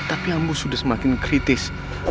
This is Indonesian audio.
tapi ambu sudah semakin kritis